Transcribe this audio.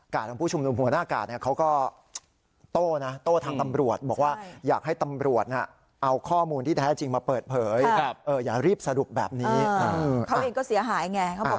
เขาเองก็เสียหายไงเขาบอกแบบนี้นะฮะ